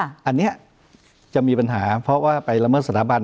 อันนี้จะมีปัญหาเพราะว่าไปละเมิดสถาบัน